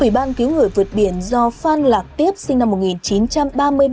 ủy ban cứu người vượt biển do phan lạc tiếp sinh năm một nghìn chín trăm ba mươi ba